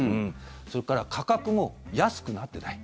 それから価格も安くなってない。